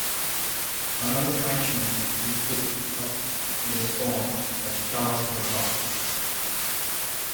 Another Frenchman who took up this form was Charles Lecocq.